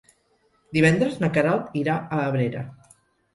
Divendres na Queralt irà a Abrera.